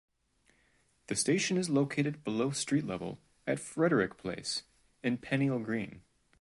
The station is located below street level at Frederick Place in Peniel Green.